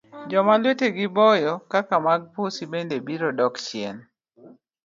Joma lwetegi boyo ka mag pusi bende birodok chien.